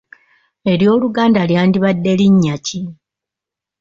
Ery’Oluganda lyandibadde linnya ki?